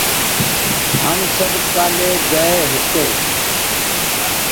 هم سب ڪآلي گئي هيتي